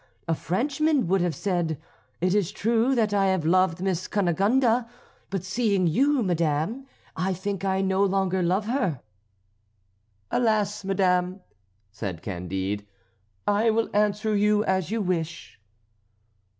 A Frenchman would have said, 'It is true that I have loved Miss Cunegonde, but seeing you, madame, I think I no longer love her.'" "Alas! madame," said Candide, "I will answer you as you wish."